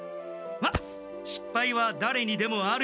まあしっぱいはだれにでもある。